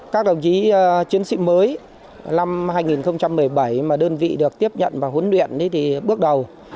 các đồng chí chiến sĩ mới năm hai nghìn một mươi bảy mà đơn vị được tiếp nhận và huấn luyện thì bước đầu